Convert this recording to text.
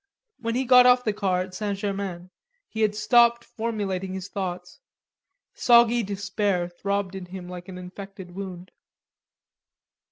When he got off the car at St. Germain, he had stopped formulating his thoughts; soggy despair throbbed in him like an infected wound.